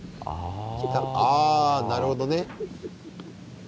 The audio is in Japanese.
あなるほどね。